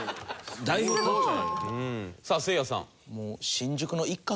すごい。さあせいやさん。